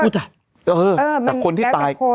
แต่คนที่ตาย